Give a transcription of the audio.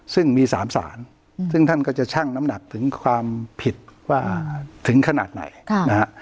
ซึ่งมี๓สารซึ่งท่านก็จะชั่งน้ำหนักถึงความผิดว่าถึงขนาดไหนนะฮะ